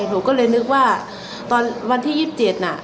หนูก็เลยนึกว่าตอนวันที่ยี่สิบเจ็ดน่ะ